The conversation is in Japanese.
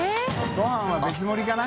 ごはんは別盛りかな？